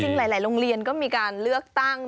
หลายโรงเรียนก็มีการเลือกตั้ง